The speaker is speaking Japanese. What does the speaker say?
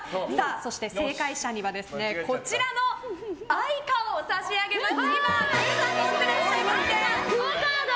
そして、正解者にはこちらのＡｉｃａを差し上げます。